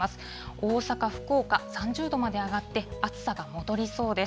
大阪、福岡、３０度まで上がって、暑さが戻りそうです。